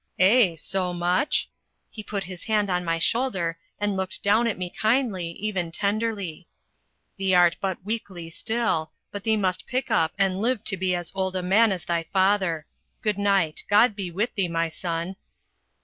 "Eh! so much?" He put his hand on my shoulder, and looked down on me kindly, even tenderly. "Thee art but weakly still, but thee must pick up, and live to be as old a man as thy father. Goodnight. God be with thee, my son!"